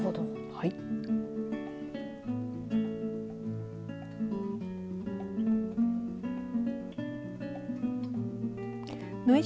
はい。